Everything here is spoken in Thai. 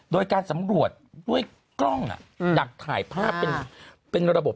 โดยการสำรวจด้วยกล้องดักถ่ายภาพเป็นระบบ